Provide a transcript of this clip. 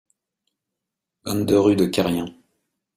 vingt-deux rue de Querrien